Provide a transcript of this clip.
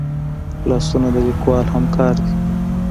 لاسونه د لیکوال همکار دي